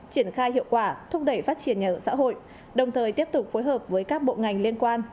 triển khai hiệu quả thúc đẩy phát triển nhà ở xã hội đồng thời tiếp tục phối hợp với các bộ ngành liên quan